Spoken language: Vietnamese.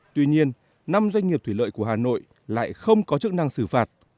tuy nhiên năm doanh nghiệp thủy lợi của hà nội lại không có chức năng xử phạt